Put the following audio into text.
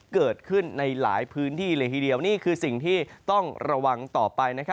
เกิดขึ้นในหลายพื้นที่เลยทีเดียวนี่คือสิ่งที่ต้องระวังต่อไป